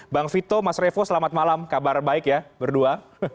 bang vito mas revo selamat malam kabar baik ya berdua